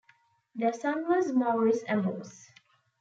Their son was Maurice Amos.